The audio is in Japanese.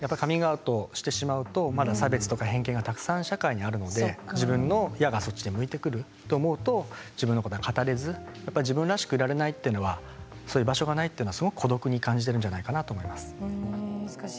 カミングアウトしてしまうと差別や偏見がたくさん社会にあるので矢が自分に向いてくると思うと自分のことは語れず自分らしくいられないというのは居場所がないというのは孤独に感じているんじゃないかなと思います。